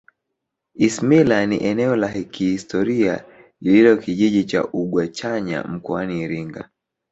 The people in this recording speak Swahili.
isimila ni eneo la kihistoria lililo kijiji cha ugwachanya mkoani iringa